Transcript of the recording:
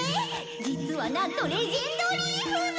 実はなんと『レジェンドリーフ』の」。